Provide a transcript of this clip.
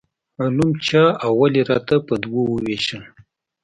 علوم چا او ولې راته په دوو وویشل.